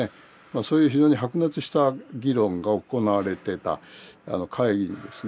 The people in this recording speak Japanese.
そういう非常に白熱した議論が行われてた会議にですね